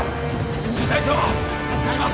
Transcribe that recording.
千住隊長助かります！